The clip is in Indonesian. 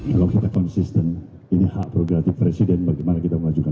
kalau kita konsisten ini hak progratif presiden bagaimana kita mengajukan